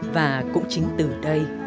và cũng chính từ đây